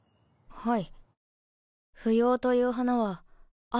はい。